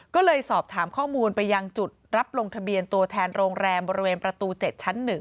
ก็เลยสอบถามข้อมูลไปยังจุดรับลงทะเบียนตัวแทนโรงแรมบริเวณประตู๗ชั้น๑